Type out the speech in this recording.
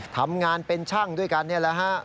ทำงานเป็นช่างด้วยกันนี่แหละฮะ